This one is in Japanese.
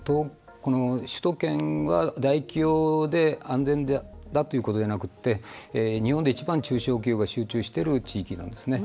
この首都圏は、大企業で安全だということじゃなくて日本で一番、中小企業が集中している地域なんですね。